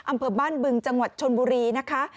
อำเภอบ้านบึงจังหวัดชนบุรีนะคะ